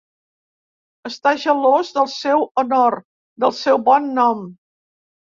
Estar gelós del seu honor, del seu bon nom.